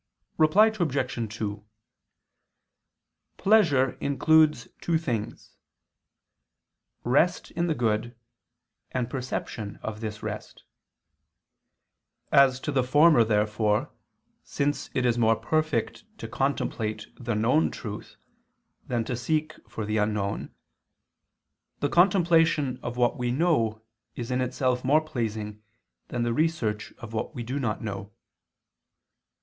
] Reply Obj. 2: Pleasure includes two things; rest in the good, and perception of this rest. As to the former therefore, since it is more perfect to contemplate the known truth, than to seek for the unknown, the contemplation of what we know, is in itself more pleasing than the research of what we do not know.